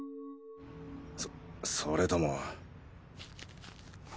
そそれとも